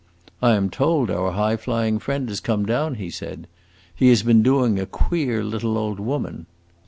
"I am told our high flying friend has come down," he said. "He has been doing a queer little old woman."